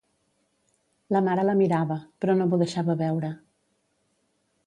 La mare la mirava, però no m'ho deixava veure.